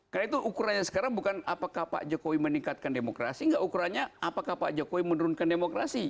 karena itu ukurannya sekarang bukan apakah pak jokowi meningkatkan demokrasi enggak ukurannya apakah pak jokowi menurunkan demokrasi